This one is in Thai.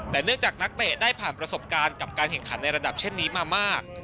แต่เนื่องจากนักเตะได้ผ่านประสบการณ์กับการแข่งขันในระดับเช่นนี้มามาก